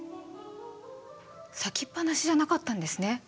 咲きっ放しじゃなかったんですね。